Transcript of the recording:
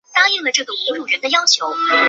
华西亚是一名修士和亨利一世的宫廷弄臣。